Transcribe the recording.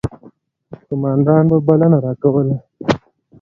قوماندان به بلنه راکوله.